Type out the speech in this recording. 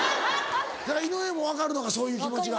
井上も分かるのかそういう気持ちが。